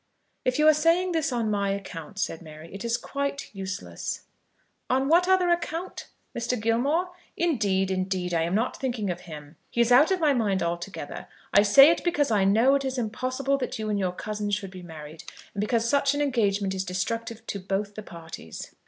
"If you are saying this on my account," said Mary, "it is quite useless." "On what other account? Mr. Gilmore? Indeed, indeed, I am not thinking of him. He is out of my mind altogether. I say it because I know it is impossible that you and your cousin should be married, and because such an engagement is destructive to both the parties."